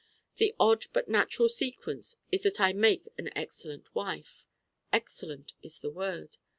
The odd but natural sequence is that I make an excellent wife. Excellent is the word.